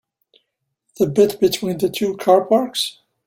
The bit between the two car parks?